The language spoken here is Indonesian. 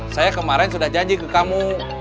saya kemarin sudah janji ke kamu